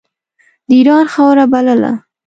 د اېران خاوره بلله.